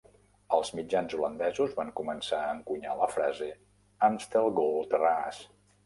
Els mitjans holandesos van començar a encunyar la frase "Amstel Gold Raas".